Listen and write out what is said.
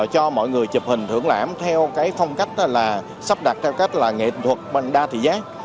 cho mọi người chụp hình thưởng lãm theo cái phong cách là sắp đặt theo cách là nghệ thuật đa thị giác